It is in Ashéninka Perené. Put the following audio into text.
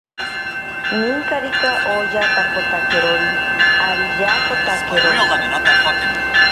Ninkarika oyatakotakerori ari yaakotakero.